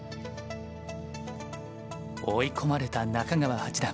追い込まれた中川八段。